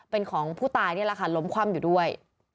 เป็นของผู้ตายนี่แหละค่ะล้มคว่ำอยู่ด้วย